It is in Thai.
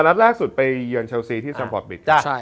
นัดล่าสุดไปเยือนเชลซีที่สัมพอร์ตบิต